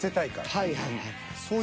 はいはいはい。